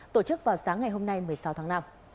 tổ chức vào sáng ngày hôm nay một mươi sáu tháng năm